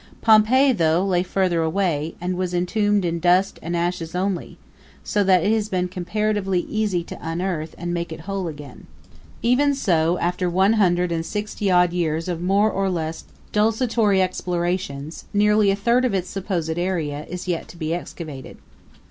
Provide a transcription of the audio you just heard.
Pompeii, though, lay farther away, and was entombed in dust and ashes only; so that it has been comparatively easy to unearth it and make it whole again. Even so, after one hundred and sixty odd years of more or less desultory explorations, nearly a third of its supposed area is yet to be excavated.